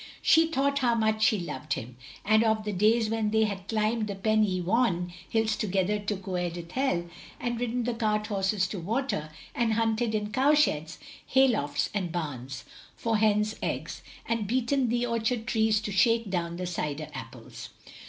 She thought how much she loved him, and of the days when they had climbed the Pen y waun hills together to Coed Ithel, and ridden the cart horses to water, and hunted in cowsheds, hay lofts and bams, for hens' eggs; and beaten the orchard trees to shake down the cider apples.